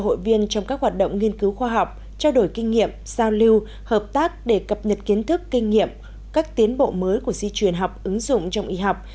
hội viên trong các hoạt động nghiên cứu khoa học trao đổi kinh nghiệm giao lưu hợp tác để cập nhật kiến thức kinh nghiệm các tiến bộ mới của di truyền học ứng dụng trong y học